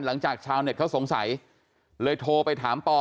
หลังจากชาวเน็ตเขาสงสัยเลยโทรไปถามปอ